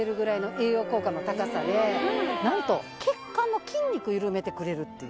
なんと血管の筋肉緩めてくれるっていう。